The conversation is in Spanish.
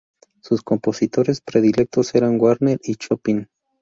Sus compositores predilectos eran Wagner y Chopin.